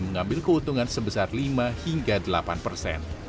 mengambil keuntungan sebesar lima hingga delapan persen